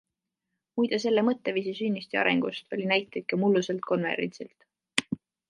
Muide selle mõtteviisi sünnist ja arengust oli näiteid ka mulluselt konverentsilt.